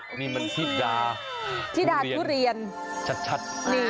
นี่มันที่ดาธิดาทุเรียนชัด